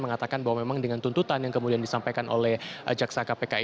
mengatakan bahwa memang dengan tuntutan yang kemudian disampaikan oleh jaksa kpk ini